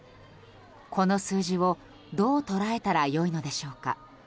この数字をどう捉えたらよいのでしょうか。